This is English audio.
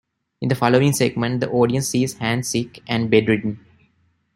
In the following segment, the audience sees Hans sick and bedridden.